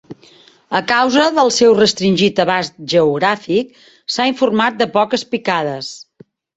A causa del seu restringit abast geogràfic, s'ha informat de poques picades.